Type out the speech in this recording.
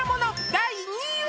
第２位は？